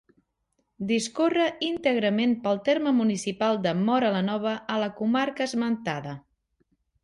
Discorre íntegrament pel terme municipal de Móra la Nova, a la comarca esmentada.